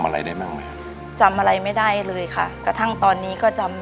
อเรนนี่